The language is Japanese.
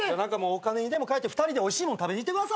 お金にでも換えて２人でおいしいもん食べに行ってください。